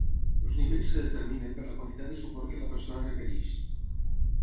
Els nivells es determinen per la quantitat de suport que la persona requereix.